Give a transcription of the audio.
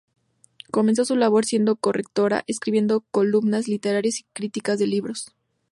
Comenzó su labor siendo correctora; escribió columnas literarias y críticas de libros.